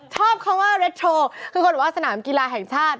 ชอบคำว่าเร็ดโทรคือคนบอกว่าสนามกีฬาแห่งชาติ